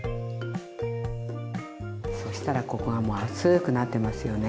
そしたらここがもう熱くなってますよね。